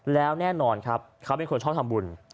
แล้วแน่นอนครับเขาเป็นคนชอบทำบุญ